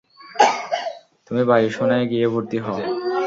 তুমি বায়ু সেনায় গিয়ে ভর্তি হও।